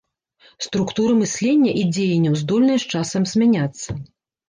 Структуры мыслення і дзеянняў здольныя з часам змяняцца.